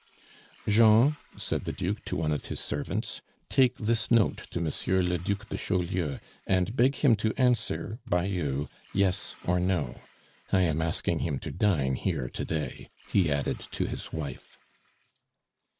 "Jean," said the Duke to one of his servants, "take this note to Monsieur le Duc de Chaulieu, and beg him to answer by you, Yes or No. I am asking him to dine here to day," he added to his wife.